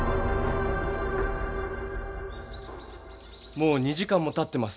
もう２時間もたってます。